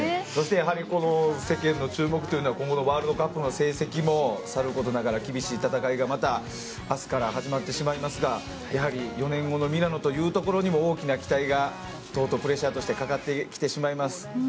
そして世間の注目というのは今後のワールドカップの成績もさることながら厳しい戦いが、また明日から始まってしまいますがやはり４年後のミラノというところにも大きな期待がプレッシャーとしてかかってきてしまいます。